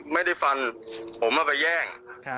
ไม่ได้ฟันผมเอาไปแย่ง